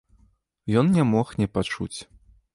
Ён не мог не пачуць.